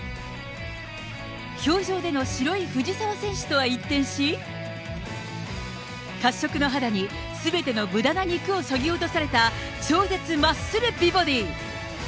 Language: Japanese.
氷上での白い藤澤選手とは一転し、褐色の肌にすべてのむだな肉をそぎ落とされた、超絶マッスル美ボディ。